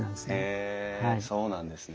へえそうなんですね。